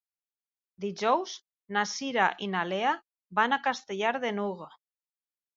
Dijous na Cira i na Lea van a Castellar de n'Hug.